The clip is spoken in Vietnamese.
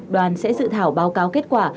đoàn sẽ dự thảo báo cáo kết quả